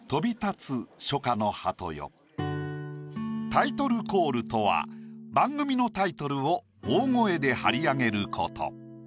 「タイトルコール」とは番組のタイトルを大声で張り上げること。